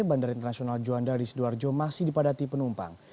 bandara internasional juanda di sidoarjo masih dipadati penumpang